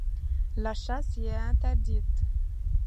La chasse y est interdite.